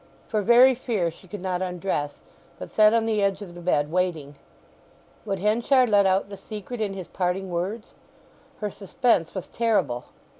For very fear she could not undress, but sat on the edge of the bed, waiting. Would Henchard let out the secret in his parting words? Her suspense was terrible.